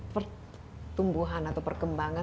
pertumbuhan atau perkembangan